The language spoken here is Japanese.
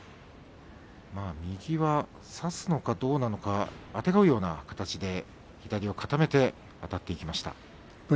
右は差すのかどうなのかあてがうような形で左を固めてあたっていきました。